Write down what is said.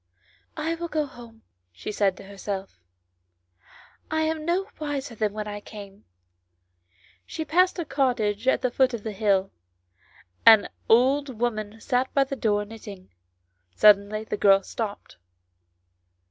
" I will go home," she said to herself ;" I am no wiser than when I came." She passed a cottage at the foot of the hill ; an old woman sat by the door knitting. Suddenly the girl stopped.